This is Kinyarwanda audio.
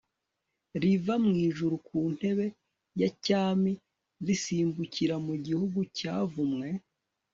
riva mu ijuru ku ntebe ya cyami risimbukira mu gihugu cyavumwe